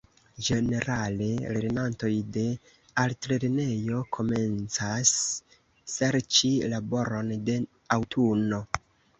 Ĝenerale lernantoj de altlernejo komencas serĉi laboron de aŭtuno.